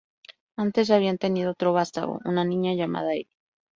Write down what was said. Antes ya habían tenido otro vástago, una niña llamada Eli.